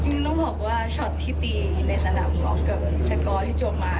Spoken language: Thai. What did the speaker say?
ต้องบอกว่าช็อตที่ตีในสนามกอล์ฟกับสกอร์ที่จบมา